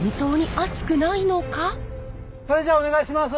それじゃあお願いします！